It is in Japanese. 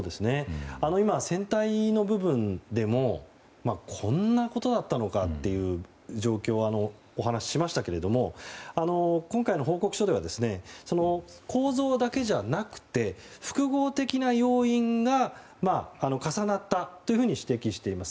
今、船体の部分でもこんなことだったのかという状況をお話ししましたけれども今回の報告書では構造だけじゃなくて複合的な要因が重なったと指摘しています。